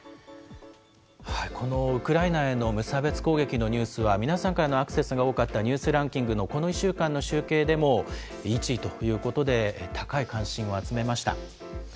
このウクライナへの無差別攻撃のニュースは、皆さんからのアクセスが多かったニュースランキングのこの１週間の集計でも１位ということで、高い関心を集めました。